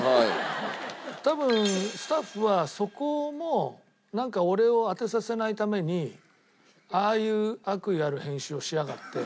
多分スタッフはそこもなんか俺を当てさせないためにああいう悪意ある編集をしやがって。